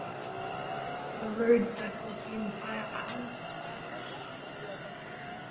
A road circles the entire island.